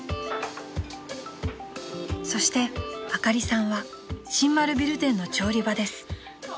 ［そしてあかりさんは新丸ビル店の調理場です］